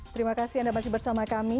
terima kasih anda masih bersama kami